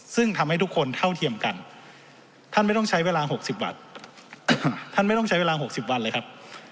ซึ่งทำให้ทุกคนเท่าเทียมกันท่านไม่ต้องใช้เวลา๖๐วันเลยครับ